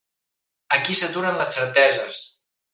Aquí s'aturen les certeses.